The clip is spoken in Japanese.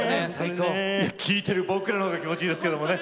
聴いてる僕らの方が気持ちいいですけどもね。